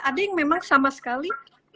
ada yang memang sama sekali